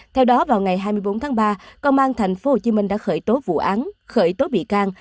theo đó vào ngày hai mươi bốn tháng ba công an tp hcm đã khởi tố vụ án khởi tố bị can